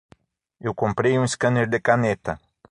Eu comprei um scanner de caneta.